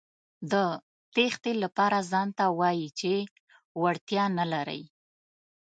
د تېښتې لپاره ځانته وايئ چې وړتیا نه لرئ.